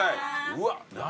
うわっ何？